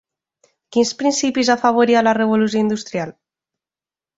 Quins principis afavoria la Revolució Industrial?